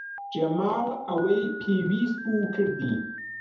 جەمال ئەوەی پێویست بوو کردی.